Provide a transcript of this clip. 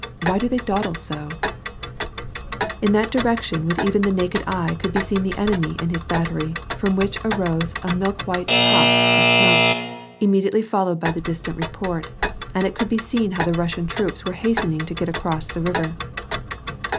Why do they dawdle so ? In that direction, even with the naked eye, could be seen the enemy and his battery, from which arose a milk white puff of smoke, immediately followed by the distant report, and it could be seen how the Russian troops were hastening to get across the river.